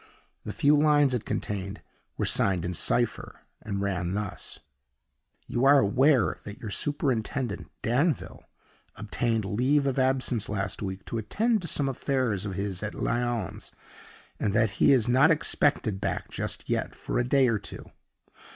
The few lines it contained were signed in cipher, and ran thus: "You are aware that your superintendent, Danville, obtained leave of absence last week to attend to some affairs of his at Lyons, and that he is not expected back just yet for a day or two.